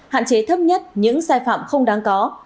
hạn chế thấp nhất những sai phạm không đáng có